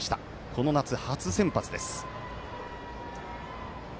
この夏、初先発です。